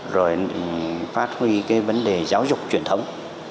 rồi phát huy cái vấn đề giáo dục truyền thống